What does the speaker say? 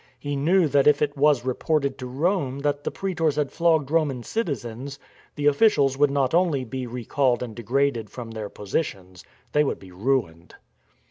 He knew that if it was reported to Rome that the praetors had flogged Roman citizens, the officials would not only be recalled and degraded from their positions — they would be ruined.